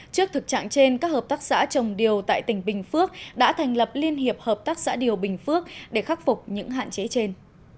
trước thực trạng trên các hợp tác xã trồng điều tại tỉnh bình phước đã thành lập liên hiệp hợp tác xã điều bình phước để khắc phục những hạn chế trên